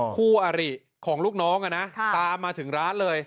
คู่อริของลูกน้องตามมาถึงร้านเลย